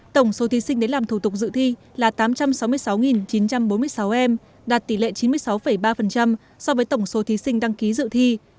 tổng số thí sinh đến làm thủ tục dự thi là tám trăm sáu mươi sáu chín trăm bốn mươi sáu em đạt tỷ lệ chín mươi sáu ba so với tổng số thí sinh đăng ký dự thi